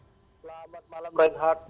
selamat malam bang andri